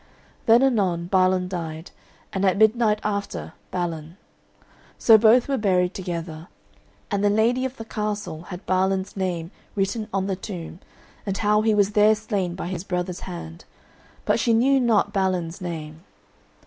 Then anon Balan died, and at midnight after, Balin; so both were buried together, and the lady of the castle had Balan's name written on the tomb and how he was there slain by his brother's hand, but she knew not Balin's name.